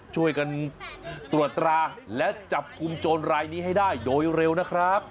ช่วยกันตรวจตราและจับกลุ่มโจรรายนี้ให้ได้โดยเร็วนะครับ